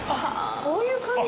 そういう感じ。